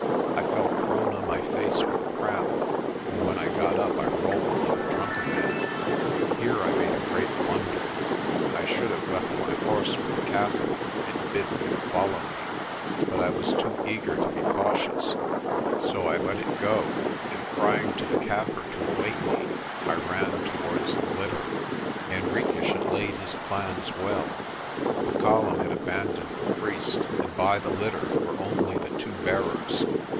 I fell prone on my face with cramp, and when I got up I rolled like a drunken man. Here I made a great blunder. I should have left my horse with my Kaffir and bidden him follow me. But I was too eager to be cautious, so I let it THE DRIFT OF THE LETABA 163 go and, crying to the Kaffir to await me, I ran towards the litter. Henriques had laid his plans well. The column had abandoned the priest, and by the litter were only the two bearers.